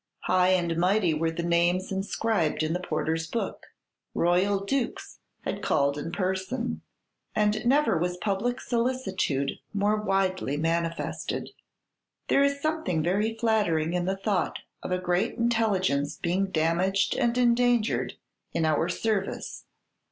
High and mighty were the names inscribed in the porter's book; royal dukes had called in person; and never was public solicitude more widely manifested. There is something very flattering in the thought of a great intelligence being damaged and endangered in our service!